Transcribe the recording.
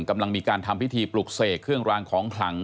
กำลังมีการทำพิธีปลุกเสกเครื่องรางของขลัง